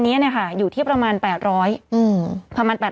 เพื่อไม่ให้เชื้อมันกระจายหรือว่าขยายตัวเพิ่มมากขึ้น